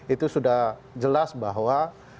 itu sudah jelas bahwa